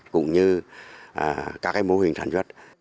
cũng như các mô hình sản xuất